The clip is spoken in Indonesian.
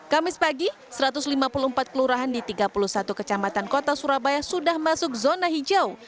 kamis pagi satu ratus lima puluh empat kelurahan di tiga puluh satu kecamatan kota surabaya sudah masuk zona hijau